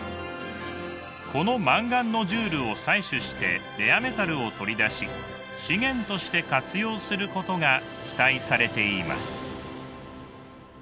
このマンガンノジュールを採取してレアメタルを取り出し資源として活用することが期待されています。